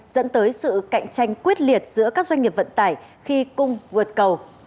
dẫn tới sự cạnh tranh quyết liệt giữa các doanh nghiệp vận tải khi cung vượt cầu